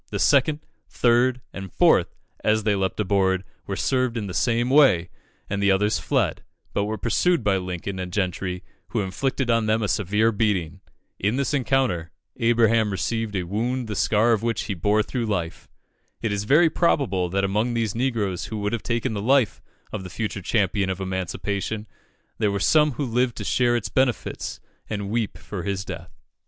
The second, third, and fourth, as they leaped aboard, were served in the same way, and the others fled, but were pursued by Lincoln and Gentry, who inflicted on them a severe beating. In this encounter, Abraham received a wound the scar of which he bore through life. It is very probable that among these negroes who would have taken the life of the future champion of emancipation, there were some who lived to share its benefits and weep for his death.